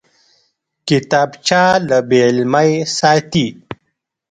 کتابچه له بېعلمۍ ساتي